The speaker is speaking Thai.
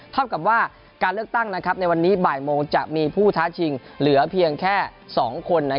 เท่ากับว่าการเลือกตั้งในวันนี้บ่ายโมงจะมีผู้ท้าชิงเหลือเพียงแค่๒คน